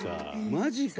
「マジか」